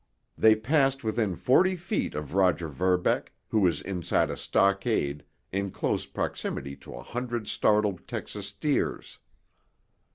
They passed within forty feet of Roger Verbeck, who was inside a stockade, in close proximity to a hundred startled Texas steers.